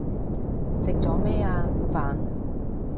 食咗咩啊？飯